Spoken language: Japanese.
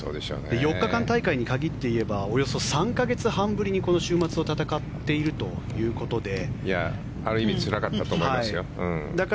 ４日間大会に限って言えばおよそ３か月半ぶりにこの週末を戦っているということで。